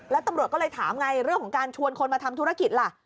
แล้วตำรวจก็เลยถามไงเรื่องของการชวนคนมาทำธุรกิจล่ะ